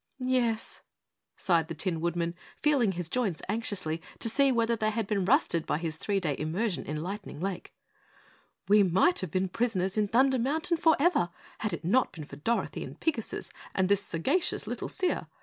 "Yes," sighed the Tin Woodman, feeling his joints anxiously to see whether they had been rusted by his three day immersion in Lightning Lake, "we might have been prisoners in Thunder Mountain forever had it not been for Dorothy and Pigasus and this sagacious little Seer.